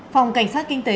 phòng cảnh sát kinh tế